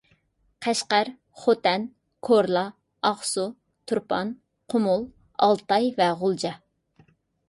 قەشقەر، خوتەن، كورلا، ئاقسۇ، تۇرپان، قۇمۇل، ئالتاي ۋە غۇلجا